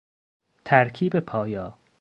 ترکیب پایا